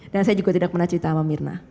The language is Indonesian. dan saya juga tidak pernah cerita sama mirna